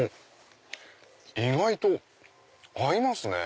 意外と合いますね。